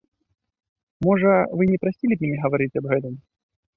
Можа, вы не прасілі б мяне гаварыць аб гэтым?